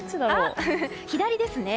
左ですね。